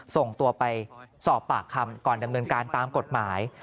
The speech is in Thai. ส่งตัวไปสอบปากคำก่อนดำเนินการตามกฎหมาย